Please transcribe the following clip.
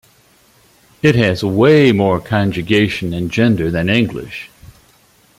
It has way more conjugation and gender than English